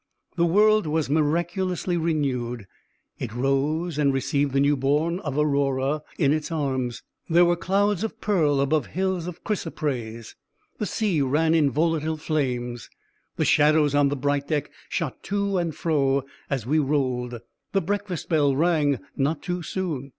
The world was miraculously renewed. It rose, and received the newborn of Aurora in its arms. There were clouds of pearl above hills of chrysoprase. The sea ran in volatile flames. The shadows on the bright deck shot to and fro as we rolled. The breakfast bell rang not too soon.